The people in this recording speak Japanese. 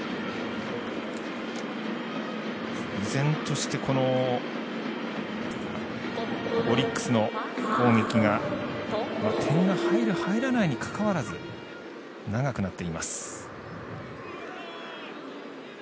依然として、オリックスの攻撃が点が入る入らないにかかわらず長くなっています。